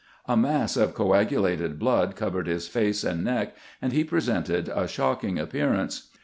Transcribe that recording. A mass of coagulated blood covered bis face and neck, and be presented a shocking appearance.